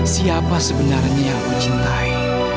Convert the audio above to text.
siapa sebenarnya yang aku cintai